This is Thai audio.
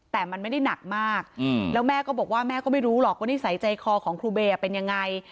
แต่มันไม่ได้หนักมากแล้วแม่ก็บอกว่าแม่ก็ไม่รู้หรอกว่านิสัยใจคอของครูเบย์เป็นยังไง